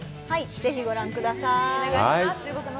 ぜひご覧ください。